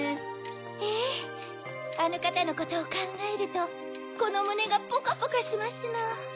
ええあのかたのことをかんがえるとこのむねがポカポカしますの。